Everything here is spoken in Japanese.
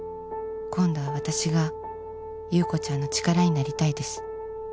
「今度は私が侑子ちゃんの力になりたいです」